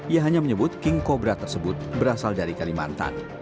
ia hanya menyebut king cobra tersebut berasal dari kalimantan